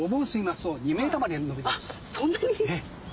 そんなに？